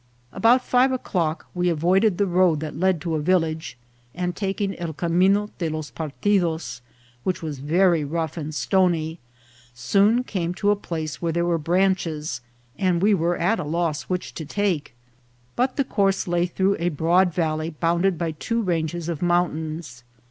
About five o'clock we avoided the road that led to a village, and taking el Camino de los Partidos, which was very rough and stony, soon came to a place where there were branches, and we were at a loss which to take ; but the course lay through a broad valley bounded by two ranges of mountains.